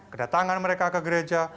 kedatangan mereka ke gereja